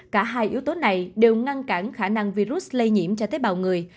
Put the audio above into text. cả hai yếu tố này đều ngăn cản khả năng virus lây nhiễm cho tế bào người